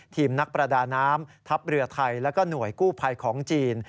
ทีมนักประดาน้ำทัพเรือไทยแล้วก็หน่วยกู้ภัยของจีน